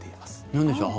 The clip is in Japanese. なんでしょう？